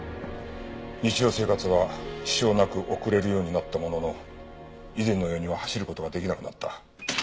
日常生活は支障なく送れるようになったものの以前のようには走る事ができなくなった。